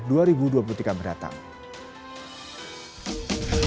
berita terkini mengenai pembahasan ekonomi